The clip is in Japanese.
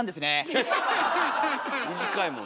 短いもんね。